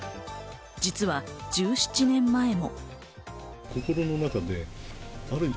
実は１７年前も。